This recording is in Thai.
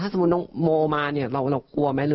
สมมุติน้องโมมาเนี่ยเรากลัวไหม